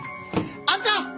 あんた！